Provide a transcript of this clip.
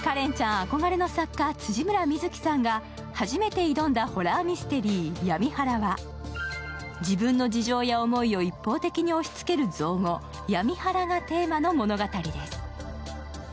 あこがれの作家・辻村深月さんが初めて挑んだホラーミステリー「闇祓」は自分の事情や思いを一方的に押しつける造語、「闇ハラ」がテーマの物語です。